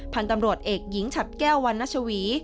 พันธุ์ตำรวจเอกหญิงฉัดแก้ววันนัชวี